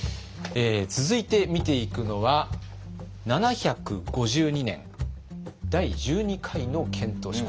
続いて見ていくのは７５２年第１２回の遣唐使。